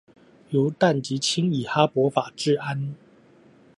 由氮及氫以哈柏法製氨